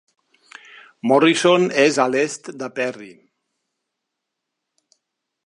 Morrison és a l'est de Perry.